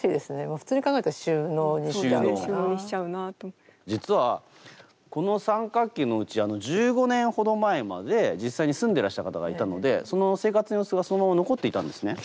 普通に考えたら実はこの三角形のうち１５年ほど前まで実際に住んでらした方がいたのでその生活の様子がそのまま残っていたんですね。